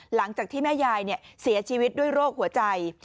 หลังจากที่แม่ยายเสียชีวิตด้วยโรคหัวใจ